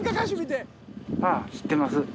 ああ知ってます。